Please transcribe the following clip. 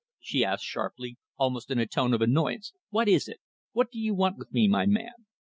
she asked sharply, almost in a tone of annoyance. "What is it? What do you want with me, my man?"